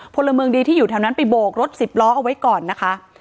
พลเมืองดีที่อยู่แถวนั้นไปโบกรถสิบล้อเอาไว้ก่อนนะคะ